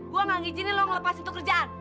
gue gak ngizinin lo ngelepasin kerjaan